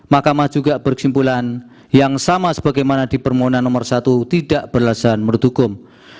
mahkamah juga berkesimpulan yang sama sebagaimana di permohonan nomor satu tidak berlasan menurut hukum